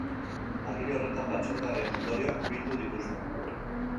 Agiri horretan batzordearen ondorioak bildu dituzte.